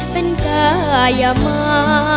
เป็นยาวใยอ๋้า